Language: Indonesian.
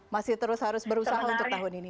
masih terus harus berusaha untuk tahun ini